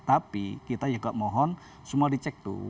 tapi kita juga mohon semua dicek tuh